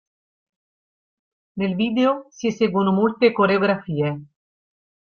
Nel video si eseguono molte coreografie.